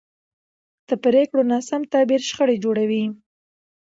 د پرېکړو ناسم تعبیر شخړې جوړوي